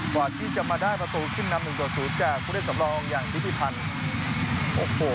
กว่าที่จะมาได้ประตูขึ้นนำหนึ่งต่อศูนย์จากผู้เล่นสำรองอย่างทิติพันธ์โอ้โห